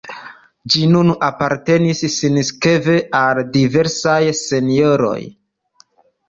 Ĝi nun apartenis sinsekve al diversaj senjoroj.